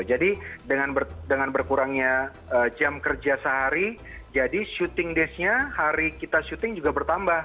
jadi dengan berkurangnya jam kerja sehari jadi syuting daysnya hari kita syuting juga bertambah